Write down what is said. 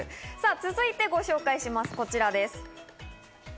続いて、ご紹介します。